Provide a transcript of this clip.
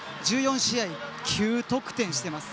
１４試合で９得点しています。